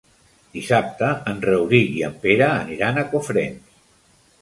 Dissabte en Rauric i en Pere aniran a Cofrents.